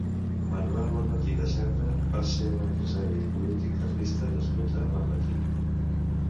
Manuel Bonmatí de Cendra va ser un empresari i polític carlista nascut a Bonmatí.